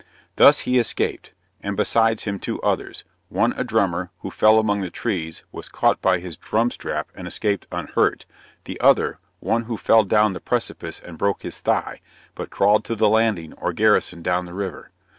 Thus he escaped; and besides him two others one a drummer, who fell among the trees, was caught by his drum strap, and escaped unhurt; the other, one who fell down the precipice and broke his thigh, but crawled to the landing or garrison down the river."